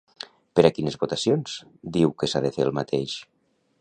Per a quines votacions diu que s'ha de fer el mateix?